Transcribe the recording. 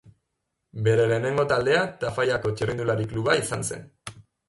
Bere lehenengo taldea Tafallako Txirrindulari Kluba izan zen.